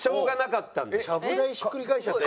ちゃぶ台ひっくり返しちゃって。